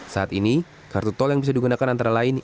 saat ini kartu tol yang bisa digunakan antara lain